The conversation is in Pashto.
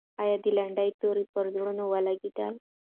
آیا د لنډۍ توري پر زړونو ولګېدل؟